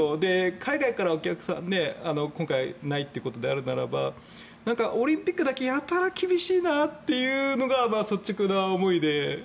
海外からお客さん、今回はないということであるならばオリンピックだけやたら厳しいなっていうのが率直な思いで。